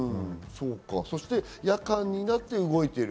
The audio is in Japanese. そして夜間になって動いている。